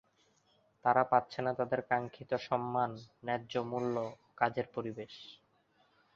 তারা পাচ্ছে না তাদের কাঙ্খিত সম্মান, ন্যায্য মূল্য ও কাজের পরিবেশ।